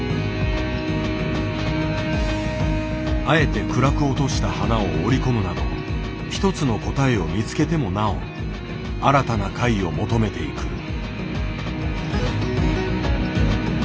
あえて暗く落とした花を織り込むなど一つの答えを見つけてもなお新たな解を求めていく。